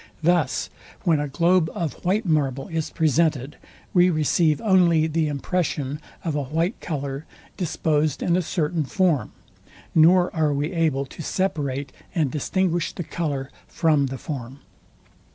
Thus when a globe of white marble is presented, we receive only the impression of a white colour disposed in a certain form, nor are we able to separate and distinguish the colour from the form.